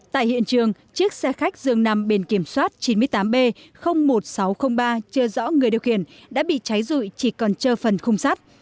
tại hiện trường chiếc xe khách dường nằm bền kiểm soát chín mươi tám b một nghìn sáu trăm linh ba chưa rõ người điều khiển đã bị cháy rụi chỉ còn trơ phần khung sắt